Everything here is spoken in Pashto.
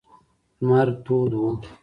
لمر تود و.